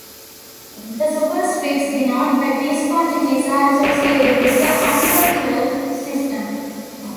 The superscripts denote that these quantities are associated with the unperturbed system.